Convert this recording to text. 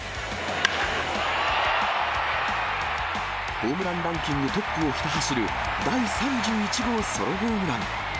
ホームランランキングトップをひた走る、第３１号ソロホームラン。